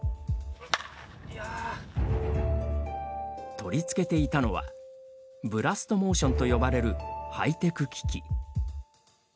取り付けていたのはブラストモーションと呼ばれるハイテク機器。